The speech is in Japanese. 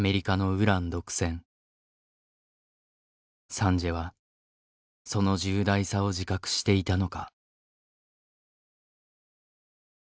サンジエはその重大さを自覚していたのか。